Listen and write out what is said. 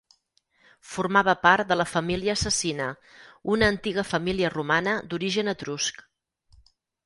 Formava part de la família Cecina, una antiga família romana d'origen etrusc.